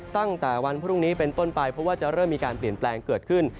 ตั้งแต่วันพรุ่งนี้เป็นต้นไปเพราะว่าจะเริ่มมีการเปลี่ยนแปลงเกิดขึ้น